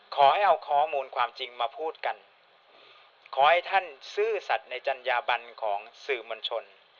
ขอให้เอาข้อมูลความจริงมาพูดกันขอให้ท่านซื่อสัตว์ในจัญญาบันของสื่อมวลชน